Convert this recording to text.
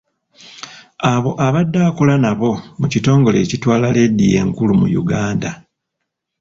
Abo abadde akola nabo mu kitongole ekitwala leediyo enkulu mu Uganda.